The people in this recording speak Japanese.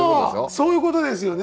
そういうことですよね！